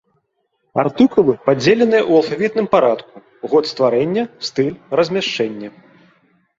Артыкулы падзеленыя ў алфавітным парадку, год стварэння, стыль, размяшчэнне.